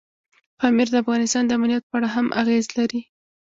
پامیر د افغانستان د امنیت په اړه هم اغېز لري.